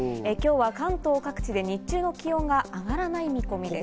関東各地で日中の気温が上がらない見込みです。